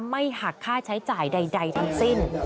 ไม่หักค่าใช้จ่ายใดทั้งสิ้น